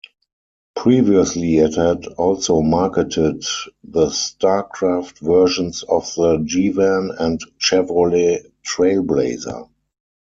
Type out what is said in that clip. Previously, it had also marketed the Starcraft versions of the G-Van and Chevrolet Trailblazer.